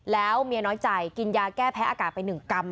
แล้วเมียน้อยใจกินยาแก้แพ้อากาศไป๑กรัม